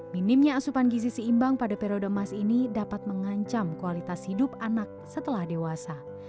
minimnya asupan gizi seimbang pada periode emas ini dapat mengancam kualitas hidup anak setelah dewasa